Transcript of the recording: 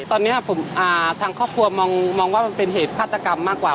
ตอนนี้ทางครอบครัวมองว่ามันเป็นเหตุฆาตกรรมมากกว่า